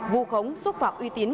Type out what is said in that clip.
vụ khống xúc phạm uy tín